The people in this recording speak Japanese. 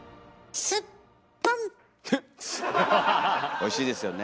おいしいですよね。